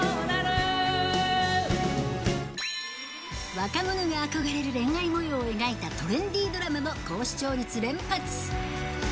若者が憧れる恋愛もようを描いたトレンディードラマも高視聴率連発。